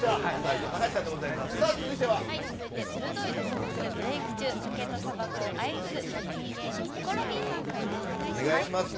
続いて鋭い毒舌でブレーク中酒とたばこを愛する借金芸人、ヒコロヒーさん回答をお願いします。